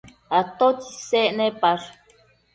atotsi isec nepash?